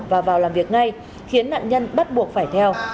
và vào làm việc ngay khiến nạn nhân bắt buộc phải theo